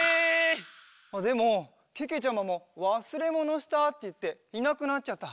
でもけけちゃまも「わすれものした」っていっていなくなっちゃった。